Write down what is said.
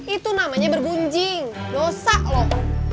itu namanya bergunjing dosa loh